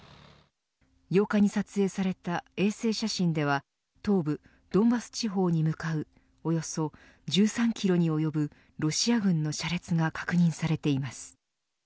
８日に撮影された衛星写真では東部ドンバス地方に向かうおよそ１３キロに及ぶロシア軍の車列が確認されています。